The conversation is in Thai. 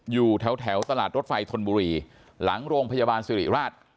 อยู่แถวตลาดรถไฟธนบุรีหลังโรงพยาบาลสิริราช